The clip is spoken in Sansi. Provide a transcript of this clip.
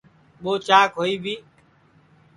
ٻو چاک ہوئی بھی